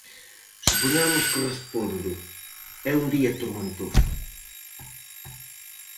Supoñamos que respondo: "É un día tormentoso".